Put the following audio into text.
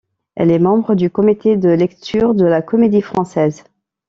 Elle est membre du Comité de lecture de la Comédie-Française.